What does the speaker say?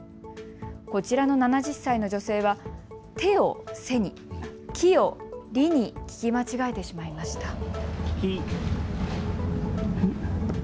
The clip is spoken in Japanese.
こちらの７０歳の女性はてをせに、きをりに、聞き間違えてしまいました。